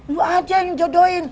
lu aja yang jodohin